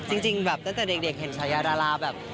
จริงแบบตั้งแต่เด็กเห็นฉายาดาราแบบ